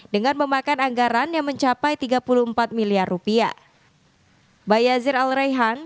dengan memakan anggaran yang mencapai tiga puluh empat miliar rupiah